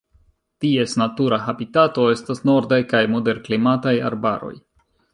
Ties natura habitato estas nordaj kaj moderklimataj arbaroj.